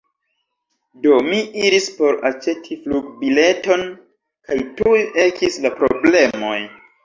Do mi iris por aĉeti flugbileton, kaj tuj ekis la problemoj.